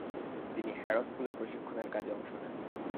তিনি হ্যারো স্কুলে প্রশিক্ষণের কাজে অংশ নেন।